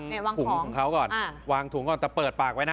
วางถุงของเขาก่อนวางถุงก่อนแต่เปิดปากไว้นะ